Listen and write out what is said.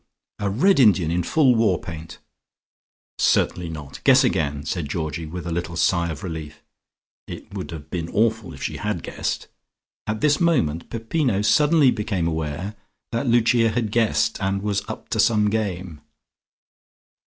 "A red Indian in full war paint." "Certainly not! Guess again," said Georgie, with a little sigh of relief. (It would have been awful if she had guessed.) At this moment Peppino suddenly became aware that Lucia had guessed and was up to some game.